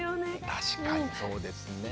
確かにそうですね。